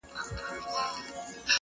انډیوالۍ کي چا حساب کړی دی ,